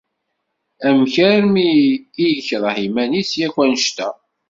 Amek armi i yekṛeh iman-is yakk annect-a?